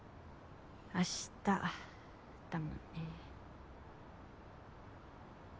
明日だもんね。